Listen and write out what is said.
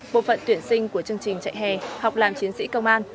bộ phận tuyển sinh của chương trình chạy hè học làm chiến sĩ công an